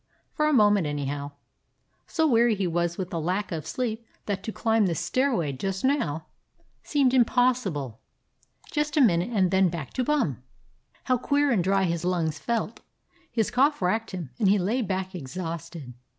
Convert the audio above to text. For a moment, anyhow. So weary he was with the lack of sleep that to climb the stairway just now 168 A BROOKLYN DOG seemed impossible. Just a minute, and then back to Bum. How queer and dry his lungs felt. His cough racked him, and he lay back exhausted.